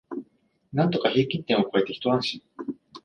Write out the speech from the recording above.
なんとか平均点を超えてひと安心